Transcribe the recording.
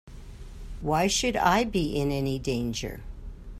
Why should I be in any danger?